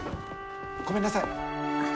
ごめんなさい。